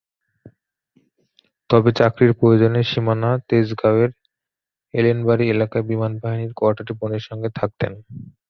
তবে চাকরির প্রয়োজনে শাহীনা তেজগাঁওয়ের এলেনবাড়ি এলাকায় বিমানবাহিনীর কোয়ার্টারে বোনের সঙ্গে থাকতেন।